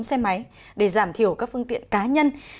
xe máy để giảm thiểu các phương tiện cá nhân